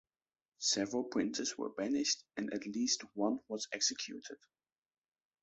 Several printers were banished and at least one was executed.